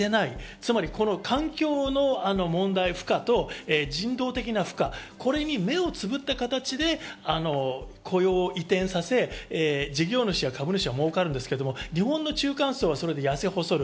つまり、この環境の問題、負荷と、人道的な負荷、これに目をつぶった形で雇用を移転させ、事業主や株主は儲かるんですけど、日本の中間層は痩せ細る。